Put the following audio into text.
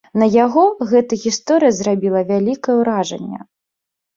На яго гэта гісторыя зрабіла вялікае ўражанне.